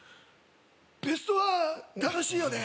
ベストワン楽しいよね